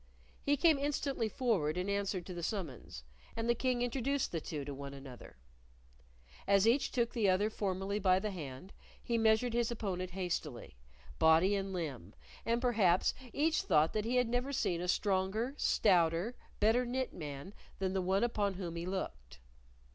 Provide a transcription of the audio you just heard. He came instantly forward in answer to the summons, and the King introduced the two to one another. As each took the other formally by the hand, he measured his opponent hastily, body and limb, and perhaps each thought that he had never seen a stronger, stouter, better knit man than the one upon whom he looked.